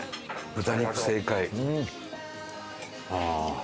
豚肉正解。